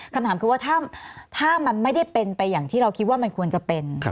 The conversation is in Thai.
คำถามคือว่าถ้ามันไม่ได้เป็นไปอย่างที่เราคิดว่ามันควรจะเป็น